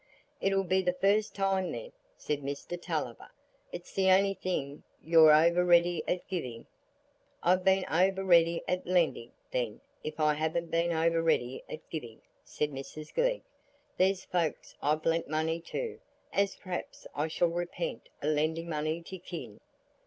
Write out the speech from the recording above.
"It'll be the first time, then," said Mr Tulliver. "It's the only thing you're over ready at giving." "I've been over ready at lending, then, if I haven't been over ready at giving," said Mrs Glegg. "There's folks I've lent money to, as perhaps I shall repent o' lending money to kin."